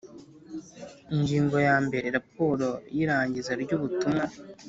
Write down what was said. Ingingo yambere Raporo y irangiza ry ubutumwa